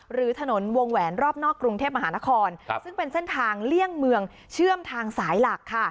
หรือถนนวงแหวนรอบนอกกรุงเทพมหานครซึ่งเป็นเส้นทางเลี่ยงเมืองเชื่อมทางสายหลักค่ะ